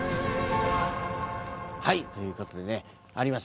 はいということでねありました。